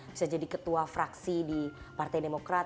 bisa jadi ketua fraksi di partai demokrat